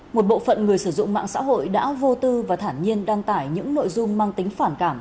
một bộ phận người sử dụng mạng xã hội đã vô tư và thản nhiên đăng tải những nội dung mang tính phản cảm